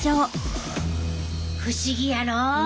不思議やろ。